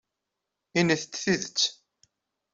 Init-d tidet.